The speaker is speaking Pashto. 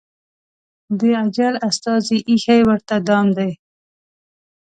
د اجل استازي ایښی ورته دام دی